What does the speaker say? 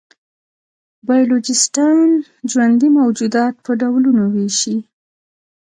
بایولوژېسټان ژوندي موجودات په ډولونو وېشي.